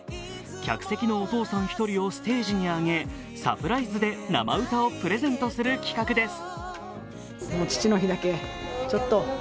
客席のお父さん１人をステージへ上げサプライズで生歌をプレゼントする企画です。